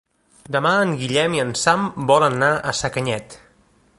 Demà en Guillem i en Sam volen anar a Sacanyet.